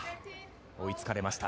追いつかれました。